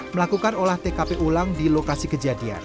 melakukan olah tkp ulang di lokasi kejadian